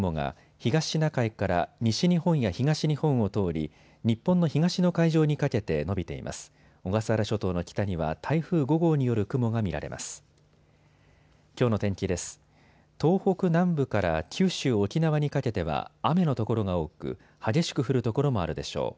東北南部から九州、沖縄にかけては雨の所が多く、激しく降る所もあるでしょう。